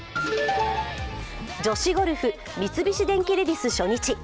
女子ゴルフ、三菱電機レディス初日。